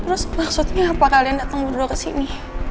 terus maksudnya apa kalian datang berdua kesini